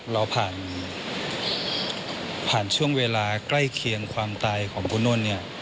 เราผ่านช่วงเวลาใกล้เคียงความตายของพวกนุ่น